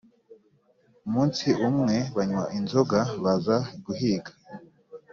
Umunsi umwe, banywa inzoga baza guhiga